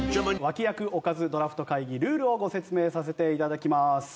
脇役おかずドラフト会議ルールをご説明させて頂きます。